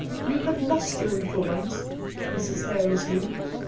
"You have lost your little ones," Mrs. Hare resumed.